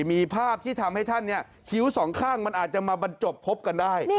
มีภาพที่ทำให้ท่านเนี่ยคิ้วสองข้างมันอาจจะมาบรรจบพบกันได้